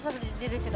jadi di situ